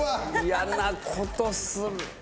嫌なことする。